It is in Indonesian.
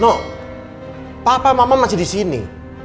no papa mama masih disini